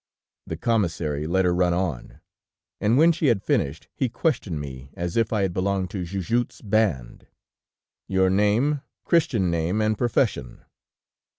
"The Commissary let her run on, and when she had finished, he questioned me, as if I had belonged to Jujutte's band. "'Your name, Christian name, and profession?'